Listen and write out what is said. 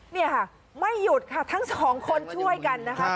นี่ค่ะไม่หยุดค่ะทั้งสองคนช่วยกันนะคะ